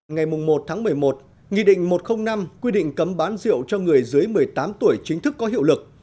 ngày một tháng một mươi một nghị định một trăm linh năm quy định cấm bán rượu cho người dưới một mươi tám tuổi chính thức có hiệu lực